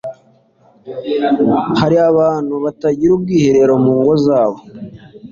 hari abantu batagira ubwiherero mungo zabo,